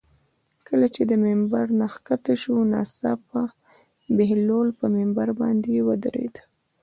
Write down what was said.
کله چې له ممبر نه ښکته شو ناڅاپه بهلول پر ممبر باندې ودرېد.